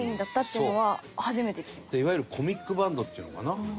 いわゆるコミックバンドっていうのかな。